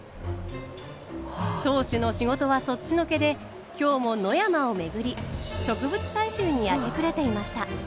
当主の仕事はそっちのけで今日も野山を巡り植物採集に明け暮れていました。